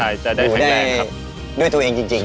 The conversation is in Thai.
อยู่ได้ด้วยตัวเองจริง